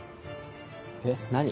えっ何？